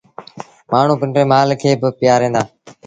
مآڻهوٚٚݩ پنڊري مآل کي با پيٚآريندآ